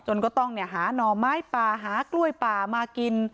จนก็ต้องเนี่ยหานอไม้ป่าหากล้วยป่ามากิน